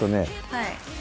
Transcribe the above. はい。